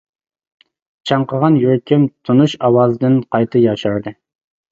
چاڭقىغان يۈرىكىم تونۇش ئاۋازدىن قايتا ياشاردى.